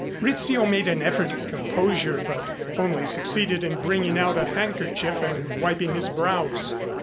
Rizzio made an effort at composure but only succeeded in bringing out a handkerchief and wiping his brows.